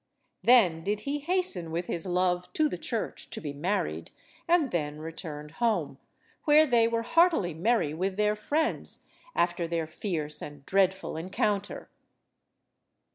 Then did he hasten with his love to the church to be married, and then returned home, where they were heartily merry with their friends, after their fierce and dreadful encounter.